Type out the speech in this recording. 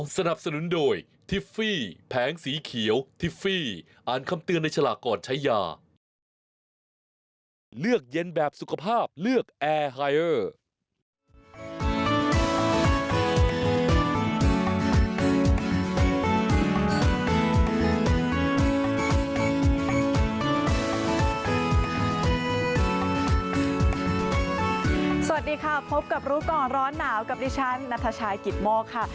สวัสดีค่ะพบกับรู้ก่อนร้อนหนาวกับดิฉันนัทชายกิตโมกค่ะ